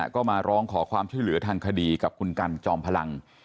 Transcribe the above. ก็มาร้องขอความช่วยเหลือทางคดีกับคุณกันจอมพลัง